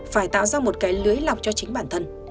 phải tạo ra một cái lưới lọc cho chính bản thân